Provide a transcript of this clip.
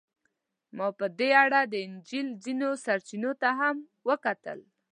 ما په دې اړه د انجیل ځینو سرچینو ته هم وکتل.